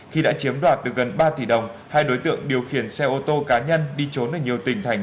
khi đã chiếm đoạt được gần ba tỷ đồng hai đối tượng điều khiển xe ô tô cá nhân đi trốn ở nhiều tỉnh thành